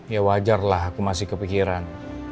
ya wajarlah aku masih kepikiran